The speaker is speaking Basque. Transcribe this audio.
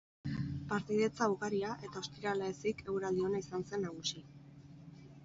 Partaidetza ugaria, eta ostirala ezik, eguraldi ona izan zen nagusi.